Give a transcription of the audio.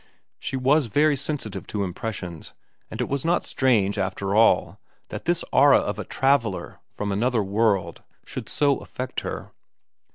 She was very sensitive to impressions, and it was not strange, after all, that this aura of a traveller from another world should so affect her.